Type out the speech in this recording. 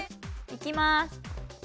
いきます！